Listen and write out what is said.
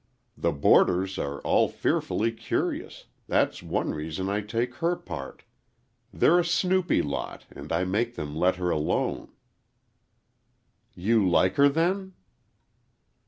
The boarders are all fearfully curious—that's one reason I take her part. They're a snoopy lot, and I make them let her alone." "You like her, then?"